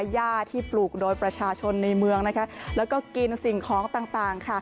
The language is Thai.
ย่าที่ปลูกโดยประชาชนในเมืองนะคะแล้วก็กินสิ่งของต่างค่ะ